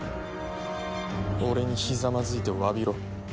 俺にひざまずいて詫びろ。